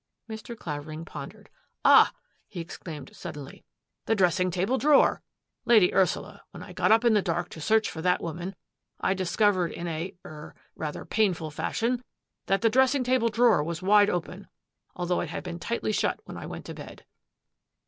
" Mr. Clavering pondered. " Ah !" he exclaimed suddenly, " the dressing table drawer ! Lady Ursula, when I got up in the dark to search for that woman I discovered in a — er — rather pain ful fashion — that the dressing table drawer was wide open, although it had been tightly shut when I went to bed."